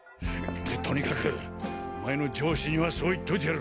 とにかくお前の上司にはそう言っといてやる！